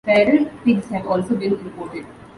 Feral pigs have also been reported.